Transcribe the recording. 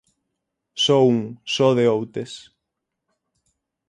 Só un, só o de Outes.